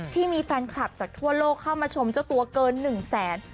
ที่มีแฟนคลับจากทั่วโลกเข้ามาชมเจ้าตัวเกิน๑แสน